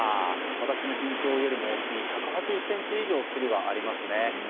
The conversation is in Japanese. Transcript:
私の身長よりも大きい１８０ｃｍ以上つるがありますね。